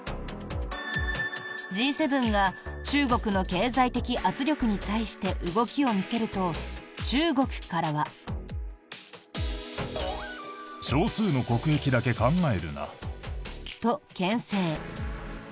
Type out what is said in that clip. Ｇ７が中国の経済的圧力に対して動きを見せると、中国からは。と、けん制。